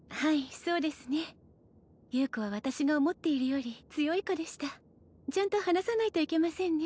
そうですね優子は私が思っているより強い子でしたちゃんと話さないといけませんね